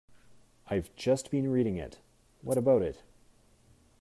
I've just been reading it. What about it?